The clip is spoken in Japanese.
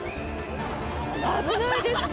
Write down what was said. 危ないですね。